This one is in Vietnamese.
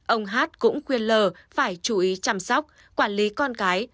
ông hát cũng khuyên l phải chú ý chăm sóc quản lý con gái